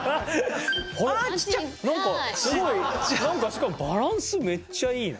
しかもバランスめっちゃいいな。